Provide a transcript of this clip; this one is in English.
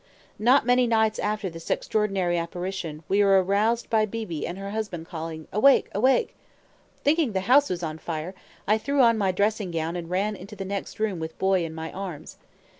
Not many nights after this extraordinary apparition, we were aroused by Beebe and her husband calling, "Awake, awake!" Thinking the house was on fire, I threw on my dressing gown and ran into the next room with Boy in my arms.